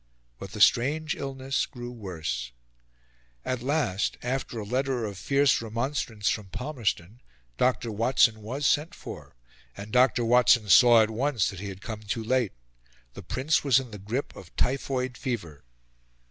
But the strange illness grew worse. At last, after a letter of fierce remonstrance from Palmerston, Dr. Watson was sent for; and Dr. Watson saw at once that he had come too late The Prince was in the grip of typhoid fever.